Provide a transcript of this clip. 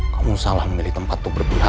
kamu salah memilih tempat untuk berpihak